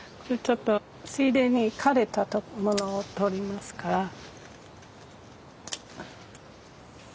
ちょっとついでに枯れたものを取りますから。